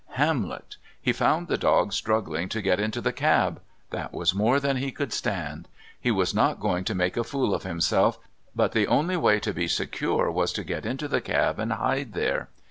Hamlet! He found the dog struggling to get into the cab. That was more than he could stand. He was not going to make a fool of himself, but the only way to be secure was to get into the cab and hide there.